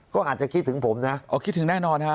ก็อาจจะคิดถึงผมนะ